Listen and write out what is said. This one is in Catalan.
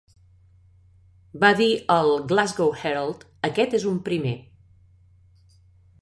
Va dir al "Glasgow Herald", "Aquest és un primer.